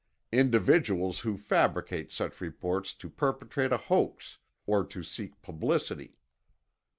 Individuals who fabricate such reports to perpetrate a hoax or to seek publicity.